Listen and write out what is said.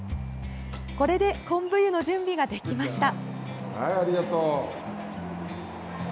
これでこんぶ湯の準備ができました。